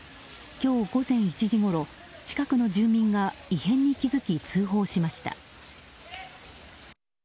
今日午前１時ごろ、近くの住民が異変に気づき通報しました。